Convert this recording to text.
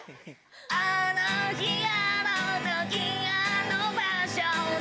あの日あの時あの場所で